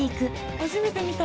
初めて見た。